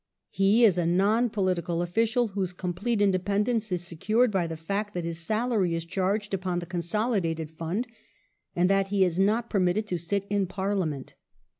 He is a non political official, whose complete independence is secured by the fact that his salary is charged upon the consolidated fund, and that he is not permitted to sit in Parliament.